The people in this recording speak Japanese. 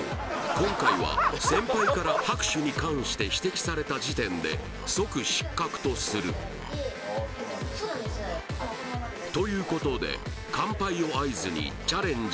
今回は先輩から拍手に関して指摘された時点で即失格とするということで乾杯を合図にチャレンジ